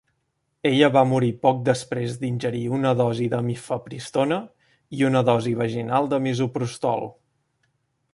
Ella va morir poc després d'ingerir una dosi de mifepristona i una dosi vaginal de misoprostol.